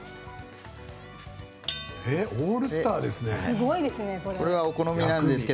オールスターですね。